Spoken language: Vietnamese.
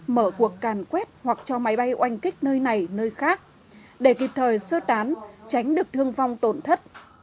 mở cuộc càn quét hoặc cho máy bay oanh kích nơi này nơi khác để kịp thời sơ tán tránh được thương vong tổn thất